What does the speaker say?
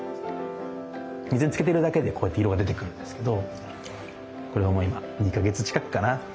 水につけてるだけでこうやって色が出てくるんですけどこれはもう今２か月近くかな。